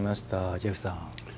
ジェフさん。